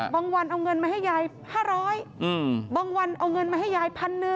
บางวันเอาเงินมาให้ยาย๕๐๐บางวันเอาเงินมาให้ยาย๑๐๐๐